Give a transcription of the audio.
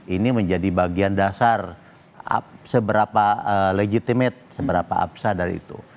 ini menjadi bagian dasar seberapa legitimate seberapa absah dari itu